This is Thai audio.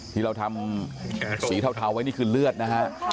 ที่เราทำสีเทาไว้นี่คือเลือดนะฮะ